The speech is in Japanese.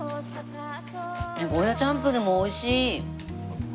ゴーヤチャンプルーも美味しい。